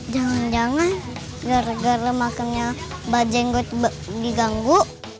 jangan jangan gara gara makannya mba jengot diganggu